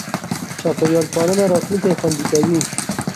چاپېریال پالنه راتلونکی خوندي کوي.